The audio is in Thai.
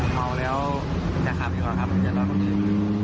เหมาแล้วจะขับดีกว่าครับอย่ารอตรงนี้